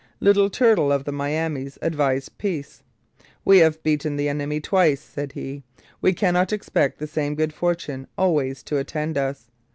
Little Turtle of the Miamis advised peace. 'We have beaten the enemy twice,' said he. 'We cannot expect the same good fortune always to attend us.